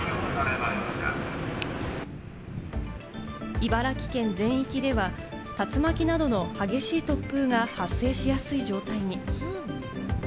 茨城県全域では、竜巻などの激しい突風が発生しやすい状態に。